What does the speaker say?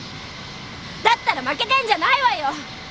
だったら負けてんじゃないわよ！